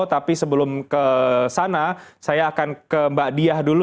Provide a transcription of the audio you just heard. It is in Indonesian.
tapi sebelum ke sana saya akan ke mbak diah dulu